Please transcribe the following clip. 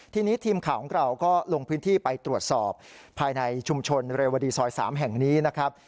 ทีนี้ทีมข่าวของเราก็ลงพื้นที่ไปตรวจสอบภายในชุมชนเรวดีซอย๓แห่งนี้นะครับ